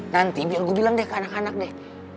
nanti biar gue bilang deh ke anak anak deh